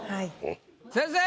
先生！